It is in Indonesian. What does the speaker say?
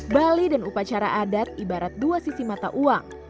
bali dan upacara adat ibarat dua sisi mata uang